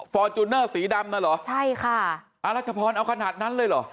ฟอร์จูเนอร์สีดำน่ะเหรอใช่ค่ะอรัชพรเอาขนาดนั้นเลยเหรอ